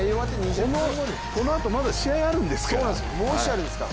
このあと、まだ試合があるんですから。